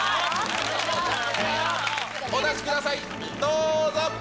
お出しください、どうぞ。